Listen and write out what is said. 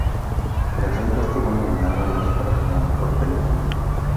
La cinta estuvo nominada al Óscar a la mejor película.